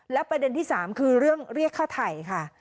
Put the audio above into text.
และประเด็นที่๓คือเรื่องเรียกค่าไถ่ค่ะ